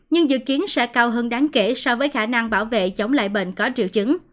nhưng dự kiến sẽ cao hơn đáng kể so với khả năng bảo vệ chống lại bệnh có triệu chứng